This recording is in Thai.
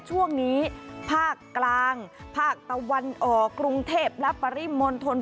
ช่วงนี้ภาคกลางภาคตะวันออกกรุงเทพและปริมณฑล